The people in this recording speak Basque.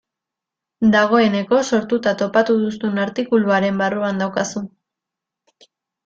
Dagoeneko sortuta topatu duzun artikuluaren barruan daukazu.